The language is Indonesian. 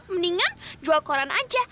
mendingan jual koran aja